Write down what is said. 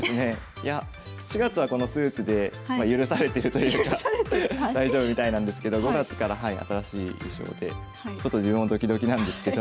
いや４月はこのスーツで許されてるというか大丈夫みたいなんですけど５月から新しい衣装でちょっと自分もドキドキなんですけど。